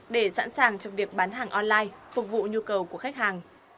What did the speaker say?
để sẵn sàng cho việc bán hàng online phục vụ nhu cầu của khách hàng